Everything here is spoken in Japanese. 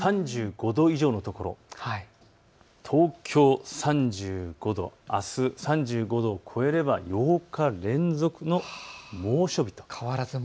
３５度以上の所、東京３５度、あす３５度を超えれば８日連続の猛暑日と。